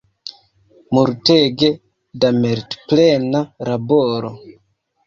Multege da meritplena laboro!